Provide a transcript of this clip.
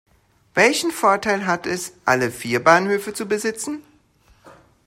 Welchen Vorteil hat es, alle vier Bahnhöfe zu besitzen?